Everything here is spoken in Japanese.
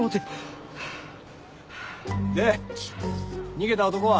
逃げた男は？